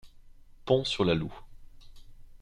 Pont sur la Loue.